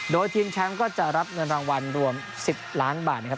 โดยทีมแชมป์ก็จะรับเงินรางวัลรวม๑๐ล้านบาทนะครับ